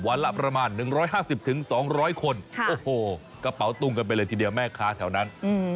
ละประมาณ๑๕๐๒๐๐คนโอ้โหกระเป๋าตุ้งกันไปเลยทีเดียวแม่ค้าแถวนั้น